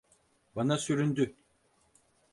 Bana süründü.